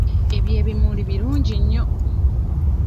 Ebyo ebimuli birungi nnyo.